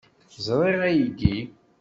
Ẓṛiɣ aydi.